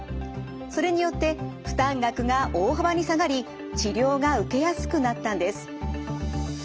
それによって負担額が大幅に下がり治療が受けやすくなったんです。